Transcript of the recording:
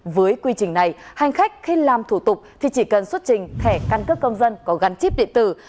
với quy trình này hành khách khi làm thủ tục thì chỉ cần xuất trình thẻ căn cước công dân có gắn chip điện tử